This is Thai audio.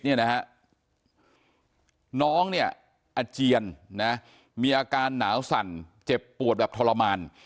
เนี่ยนะฮะน้องเนี่ยอาเจียนนะมีอาการหนาวสั่นเจ็บปวดแบบทรมาน